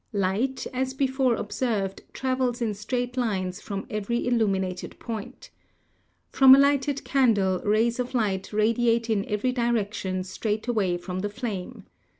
Light, as before observed, travels in straight lines from every illuminated point. From a lighted candle rays of light radiate in every direction straight away from the flame.